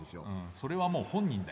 それはもう本人だよな。